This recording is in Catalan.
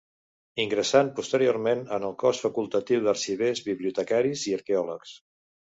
Ingressant posteriorment en el Cos Facultatiu d'Arxivers, Bibliotecaris i Arqueòlegs.